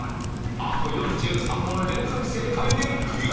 あと４３問連続正解でクリア